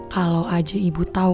kalau aja ibu tau